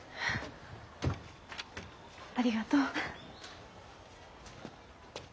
ありがとう。